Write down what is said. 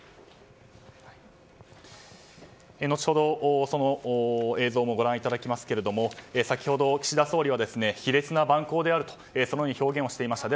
後ほど、その映像もご覧いただきますが先ほど岸田総理は卑劣な蛮行であるとそのように表現していました。